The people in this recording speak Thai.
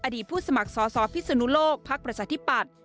อดีตผู้สมัครสอพิศนุโลกพักประชาธิปัตย์